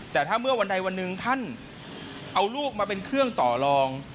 แต่ถ้าเมื่อวันใดวันหนึ่งท่านเอาลูกมาเป็นเครื่องต่อรอง